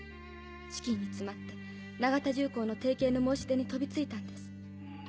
資金に詰まって永田重工の提携の申し出に飛びついたんです。